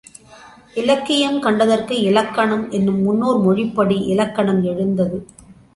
இலக்கியம் கண்டதற்கு இலக்கணம் என்னும் முன்னோர் மொழிப்படி இலக்கணம் எழுந்தது.